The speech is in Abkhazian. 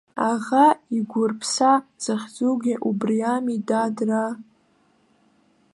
Аӷа игәырԥса захьӡугьы убри ами дадраа.